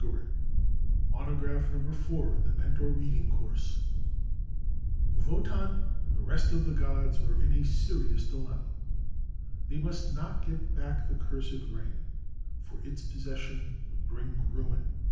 DIELITZ] The Ring of the Nibelung DIE WALKÜRE Monograph Number Four in The Mentor Reading Course Wotan and the rest of the gods were in a serious dilemma. They must not get back the cursed ring, for its possession would bring ruin.